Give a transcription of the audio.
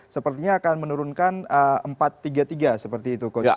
sepertinya akan menurunkan empat tiga tiga seperti itu coach